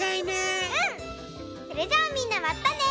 それじゃあみんなまたね！